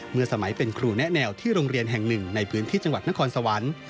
สมัยเป็นครูแนะแนวที่โรงเรียนแห่งหนึ่งในพื้นที่จังหวัดนครสวรรค์